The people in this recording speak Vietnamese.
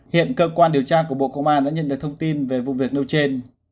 hiện cơ quan điều tra của bộ công an đã nhận được thông tin về vụ việc nêu trên